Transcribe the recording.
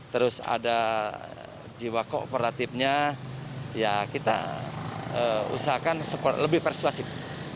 terus ada jiwa kooperatifnya ya kita usahakan lebih persuasif